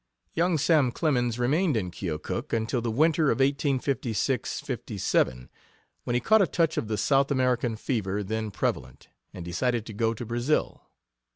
Young Sam Clemens remained in Keokuk until the winter of 1856 57, when he caught a touch of the South American fever then prevalent; and decided to go to Brazil.